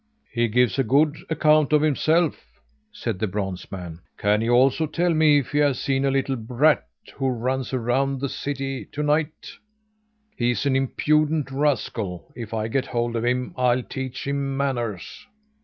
"He gives a good account of himself," said the bronze man. "Can he also tell me if he has seen a little brat who runs around in the city to night? He's an impudent rascal, if I get hold of him, I'll teach him manners!"